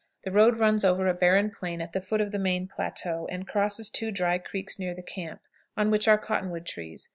The road runs over a barren plain at the foot of the main plateau, and crosses two dry creeks near the camp, on which are cottonwood trees.